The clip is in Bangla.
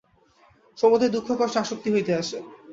সমুদয় দুঃখ-কষ্ট আসক্তি হইতে আসে।